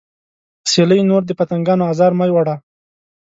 سیلۍ نور د پتنګانو ازار مه وړه